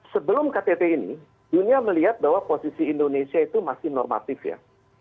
sebelum ktt ini dunia melihat bahwa posisi indonesia itu masih normatif ya